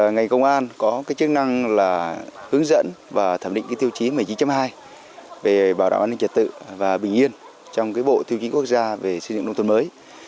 ngành công an có chức năng là hướng dẫn và thẩm định tiêu chí một mươi chín hai về bảo đảm an ninh trật tự và bình yên trong bộ tiêu chí quốc gia về xây dựng nông thuận mới